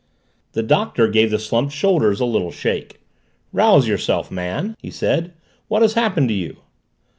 The Doctor gave the slumped shoulders a little shake. "Rouse yourself, man!" he said. "What has happened to you?"